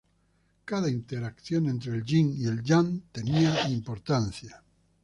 Cada interacción entre el "yin" y el "yang" tenía importancia.